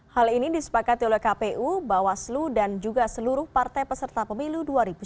hal ini disepakati oleh kpu bawaslu dan juga seluruh partai peserta pemilu dua ribu sembilan belas